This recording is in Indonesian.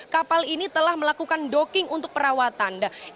kapal ini telah melakukan docking untuk perawatan